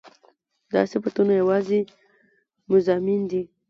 دا صفتونه يواځې مضامين دي